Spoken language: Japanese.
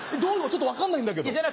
ちょっと分かんないんだけど。